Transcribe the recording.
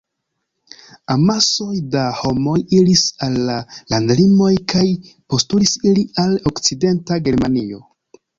Amasoj da homoj iris al la landlimoj kaj postulis iri al okcidenta Germanio.